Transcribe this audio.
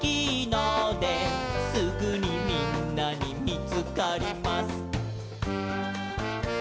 「すぐにみんなにみつかります」